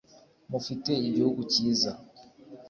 Mufite igihugu cyiza